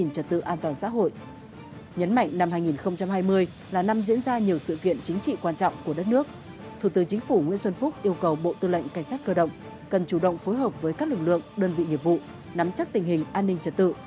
thủ tướng chính phủ nguyễn xuân phúc yêu cầu bộ tư lệnh cảnh sát cơ động cần chủ động phối hợp với các lực lượng đơn vị nghiệp vụ nắm chắc tình hình an ninh trật tự